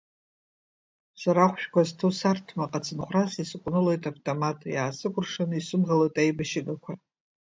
Сара ахәшәқәа зҭоу сарҭмаҟ ацынхәрас исҟәнылоит автомат, иаасыкәыршаны исымӷалоит аибашьыгақәа.